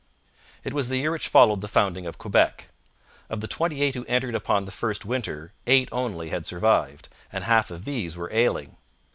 It was the year which followed the founding of Quebec. Of the twenty eight who entered upon the first winter eight only had survived, and half of these were ailing.